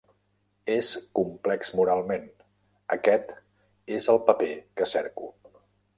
És complex moralment, aquest és el paper que cerco.